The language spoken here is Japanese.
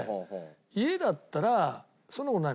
家だったらそんな事ないの？